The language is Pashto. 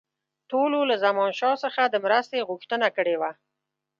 ټولو له زمانشاه څخه د مرستې غوښتنه کړې وه.